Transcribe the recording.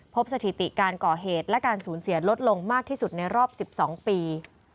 สถิติการก่อเหตุและการสูญเสียลดลงมากที่สุดในรอบ๑๒ปี